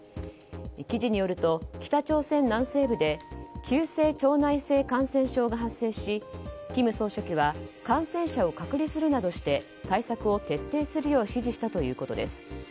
記事によると、北朝鮮南西部で急性腸内性感染症が発生し金総書記は感染者を隔離するなどして対策を徹底するよう指示したということです。